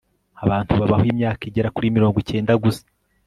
abantu babaho imyaka igera kuri mirongo icyenda gusa